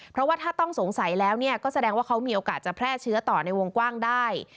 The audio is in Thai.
เพราะว่าถ้าต้องสงสัยแล้วก็แสดงว่าเขามีโอกาสจะแพร่เชื้อต่อในวงกว้างได้